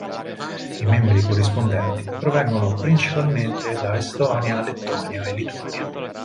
I membri corrispondenti provengono principalmente da Estonia, Lettonia e Lituania.